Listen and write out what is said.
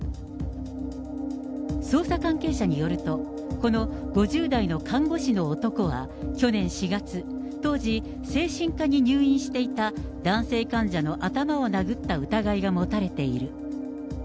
捜査関係者によると、この５０代の看護師の男は去年４月、当時、精神科に入院していた男性患者の頭を殴った疑いが持たれている。